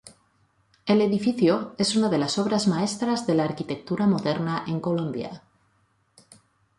El edificio es una de las obras maestras de la arquitectura moderna en Colombia.